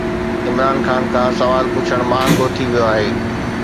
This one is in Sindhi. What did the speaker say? عمران خان کان سوال پڇڻ مهانگو ٿي ويو آهي